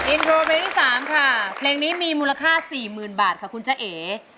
อินโทรเพลงที่๓ค่ะเพลงนี้มีมูลค่า๔๐๐๐บาทค่ะคุณจ้าเอ